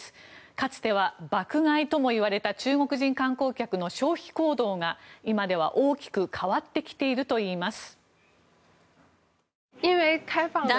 かつては爆買いともいわれた中国人観光客の消費行動が今では大きく変わってきているといいます。